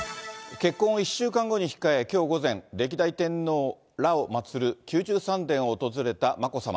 結婚を１週間後に控え、きょう午前、歴代天皇らを祭る宮中三殿を訪れた眞子さま。